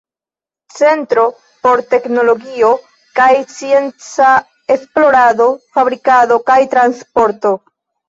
Centro por teknologio kaj scienca esplorado, fabrikado kaj transporto.